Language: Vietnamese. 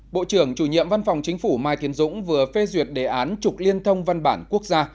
bộ trưởng chủ nhiệm văn phòng chính phủ mai thiên dũng vừa phê duyệt đề án trục liên thông văn bản quốc gia